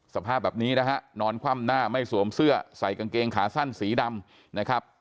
สภาพแบบนี้นะฮะนอนคว่ำหน้าไม่สวมเสื้อใส่กางเกงขาสั้นสีดำนะครับ